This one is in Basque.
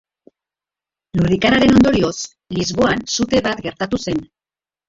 Lurrikararen ondorioz Lisboan sute bat gertatu zen.